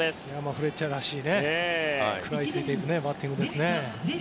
フレッチャーらしい食らいついていくバッティング。